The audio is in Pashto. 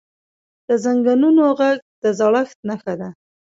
د زنګونونو ږغ د زړښت نښه ده.